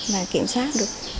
và kiểm soát